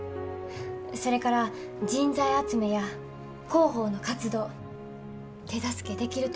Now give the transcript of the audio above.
それから人材集めや広報の活動手助けできると思うんです。